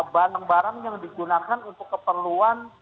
barang barang yang digunakan untuk keperluan